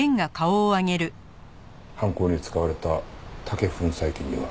犯行に使われた竹粉砕機には。